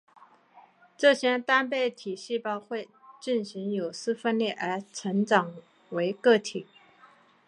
这些单倍体细胞会进行有丝分裂而成长为个体。